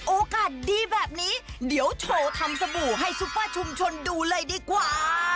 โอกาสดีแบบนี้เดี๋ยวโชว์ทำสบู่ให้ซุปเปอร์ชุมชนดูเลยดีกว่า